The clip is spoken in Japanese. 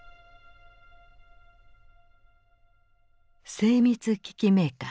精密機器メーカー